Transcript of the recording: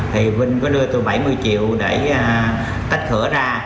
thì vinh có đưa tôi bảy mươi triệu để tách thửa ra